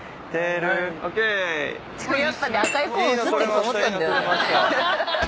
これやっぱね赤いコーン写ってると思ったんだよね。